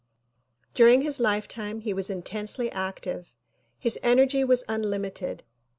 During his lifetime he was intensely active. His energy was unlimited.